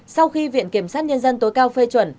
sau khi viện kiểm sát nhân dân tối cao phê chuẩn